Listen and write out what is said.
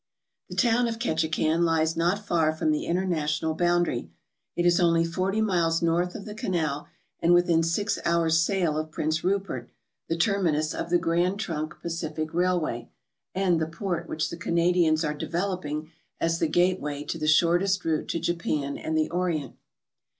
The town of Ketchikan lies not far from the inter national boundary. It is only forty miles north of the tanal and within six hours' sail of Prince Rupert, the terminus of the Grand Trunk Pacific Railway and the port which the Canadians are developing as the gateway to the shortest route to Japan and the Orient.